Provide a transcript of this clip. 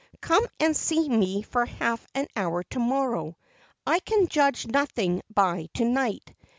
"Come and see me for half an hour to morrow, I can judge nothing by to night.